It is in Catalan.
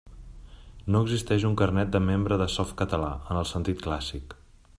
No existeix un carnet de membre de Softcatalà, en el sentit clàssic.